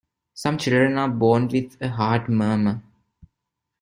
Some children are born with a heart murmur.